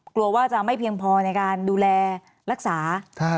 กลัวว่าจะไม่เพียงพอในการดูแลรักษา